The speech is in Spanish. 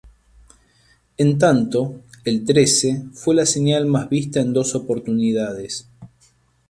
En tanto, eltrece, fue la señal más vista en dos oportunidades.